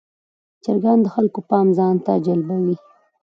چرګان د خلکو پام ځان ته جلبوي.